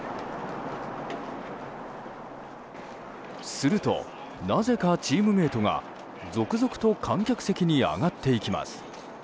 すると、なぜかチームメートが続々と観客席に上がっていきます。